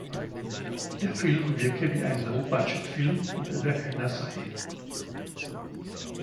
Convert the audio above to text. Der Film wirke wie ein Low-Budget-Film, obwohl er keiner sei.